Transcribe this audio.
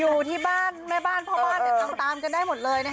อยู่ที่บ้านแม่บ้านพ่อบ้านทำตามกันได้หมดเลยนะคะ